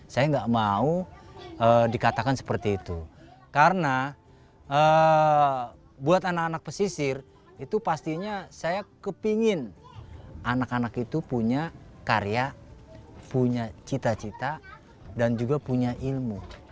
saya nggak mau dikatakan seperti itu karena buat anak anak pesisir itu pastinya saya kepingin anak anak itu punya karya punya cita cita dan juga punya ilmu